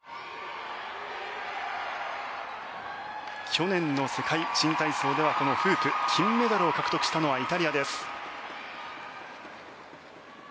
去年の世界新体操ではこのフープ、金メダルを獲得したのはイタリアです。